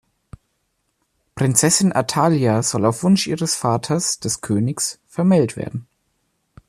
Prinzessin Athalia soll auf Wunsch ihres Vaters, des Königs, vermählt werden.